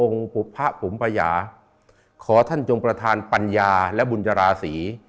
องค์พระผุมประหยาขอท่านจงประธานปัญญาและบุญจราศรี